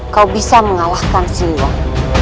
kau bisa mengalahkan si iwan